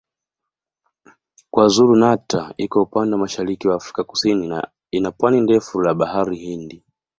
KwaZulu-Natal iko upande wa mashariki wa Afrika Kusini ina pwani ndefu la Bahari Hindi.